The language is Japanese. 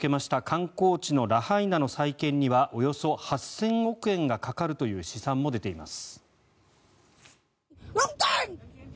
観光地のラハイナの再建にはおよそ８０００億円がかかるという試算も出ています。